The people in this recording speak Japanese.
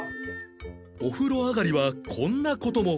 お風呂上がりはこんな事も